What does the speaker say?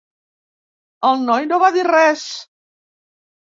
El noi no va dir res.